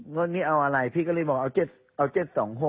เงินนี้เอาอะไรพี่ก็เลยบอกเอา๗๒๖